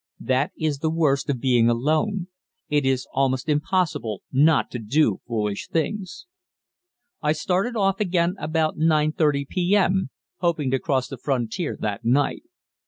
That is the worst of being alone; it is almost impossible not to do foolish things. I started off again about 9.30 p.m., hoping to cross the frontier that night.